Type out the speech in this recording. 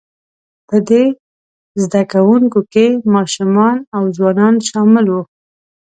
په دې زده کوونکو کې ماشومان او ځوانان شامل وو،